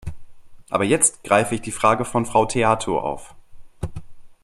Aber jetzt greife ich die Frage von Frau Theato auf.